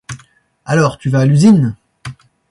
Alors tu vas à l'usine ?